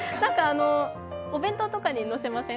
お弁当とかにのせません？